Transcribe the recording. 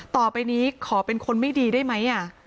ต่อไปนี้ขอเป็นคนไม่ดีได้ไหม